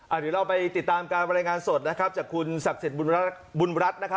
เดี๋ยวเราไปติดตามการบรรยายงานสดนะครับจากคุณศักดิ์สิทธิ์บุญรัฐนะครับ